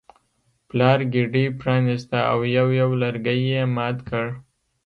پلار ګېډۍ پرانیسته او یو یو لرګی یې مات کړ.